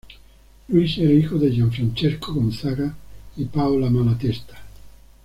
Luis era hijo de Gianfrancesco Gonzaga y Paola Malatesta.